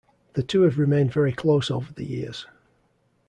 The two have remained very close over the years.